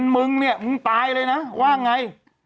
มึงตายเลยนะว่าไง